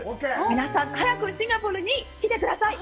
皆さん、早くシンガポールに来てください。